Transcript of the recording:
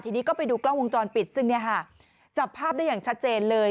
ทีนี้ก็ไปดูกล้องวงจรปิดซึ่งเนี่ยค่ะจับภาพได้อย่างชัดเจนเลย